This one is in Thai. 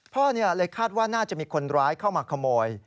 พ่อเลยคาดว่าน่าจะมีคนร้ายเข้ามาขโมย